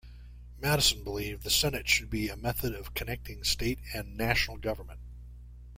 Madison believed the Senate should be a method of connecting state and national government.